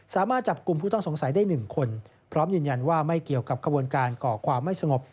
สามารถจับกลุ่มผู้ต้องสงสัยได้๑คนพร้อมยืนยันว่าไม่เกี่ยวกับขบวนการก่อความไม่สงบ